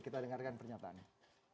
kita dengarkan pernyataannya